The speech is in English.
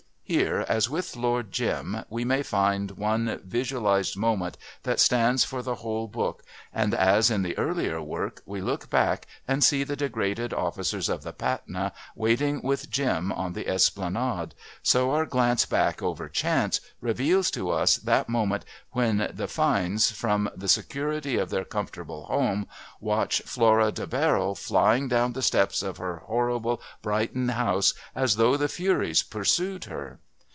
Here, as with Lord Jim, we may find one visualised moment that stands for the whole book and as in the earlier work we look back and see the degraded officers of the Patna waiting with Jim on the Esplanade, so our glance back over Chance reveals to us that moment when the Fynes, from the security of their comfortable home, watch Flora de Barrel flying down the steps of her horrible Brighton house as though the Furies pursued her.